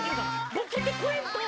ボケてくれんと！